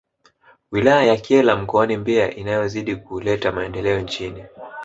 Wilaya ya Kyela mkoani Mbeya inayozidi kuleta maendeleo nchini